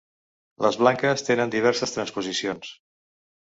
Les blanques tenen diverses transposicions.